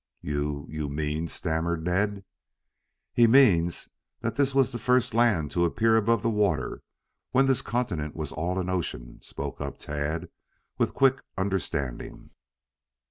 "You you mean " stammered Ned. "He means this was the first land to appear above the water when this continent was all an ocean," spoke up Tad, with quick understanding.